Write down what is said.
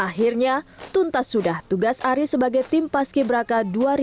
akhirnya tuntas sudah tugas ari sebagai tim paski beraka dua ribu delapan belas